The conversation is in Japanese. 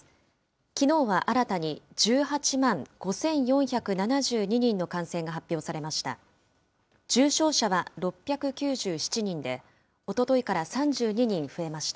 きのうは新たに１８万５４７２人の感染が発表されました。